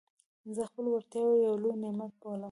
زه خپلي وړتیاوي یو لوی نعمت بولم.